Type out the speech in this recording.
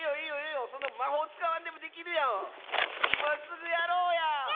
いますぐやろうや！